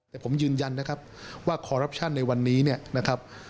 แต่ผมยืนยันนะครับว่าคอรัปชั่นในวันนี้เนี่ยนะครับ